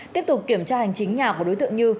tiếp tục kiểm tra hành chính nhà của đối tượng như